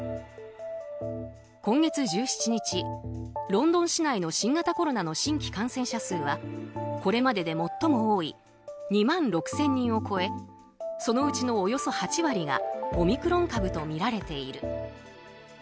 今月１７日、ロンドン市内の新型コロナの新規感染者数はこれまでで最も多い２万６０００人を超えそのうちのおよそ８割がオミクロン株とみられている。